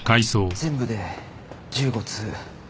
全部で１５通。